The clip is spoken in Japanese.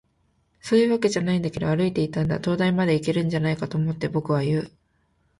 「そういうわけじゃないけど、歩いていたんだ。灯台までいけるんじゃないかって思って。」、僕は言う。